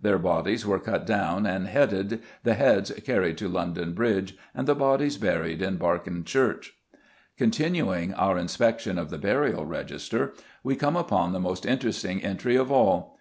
Their bodies were cut down and headed, the heads carried to London Bridge and the bodies buried in Barkin church." Continuing our inspection of the Burial Register, we come upon the most interesting entry of all.